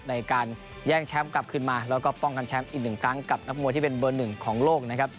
ในการแย่งแชมป์กลับขึ้นมาแล้วก็ป้องกันแชมป์อีกหนึ่งครั้งกับนักมวยที่เป็นเบอร์หนึ่งของโลกนะครับ